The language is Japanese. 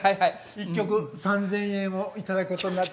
一曲３，０００円を頂くことになって。